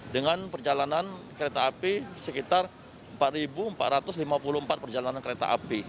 dengan perjalanan kereta api sekitar empat empat ratus lima puluh empat perjalanan kereta api